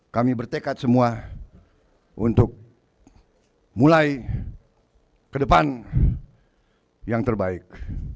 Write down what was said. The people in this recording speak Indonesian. kami bertekad semua untuk mulai ke depan yang terbaik